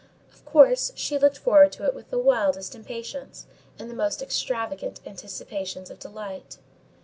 Of course, she looked forward to it with the wildest impatience, and the most extravagant anticipations of delight.